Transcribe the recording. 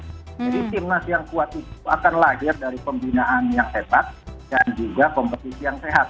jadi tim nasional yang kuat itu akan lahir dari pembinaan yang tepat dan juga kompetisi yang sehat